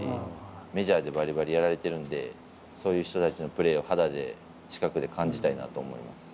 メジャーでばりばりやられてるんで、そういう人たちのプレーを肌で近くで感じたいなと思います。